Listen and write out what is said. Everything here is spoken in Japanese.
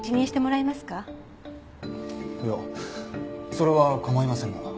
いやそれは構いませんが。